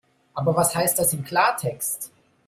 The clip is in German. Aber was heißt das im Klartext?